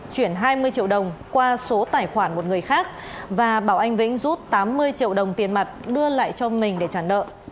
chuyển hai mươi triệu đồng qua số tài khoản một người khác và bảo anh vĩnh rút tám mươi triệu đồng tiền mặt đưa lại cho mình để trả nợ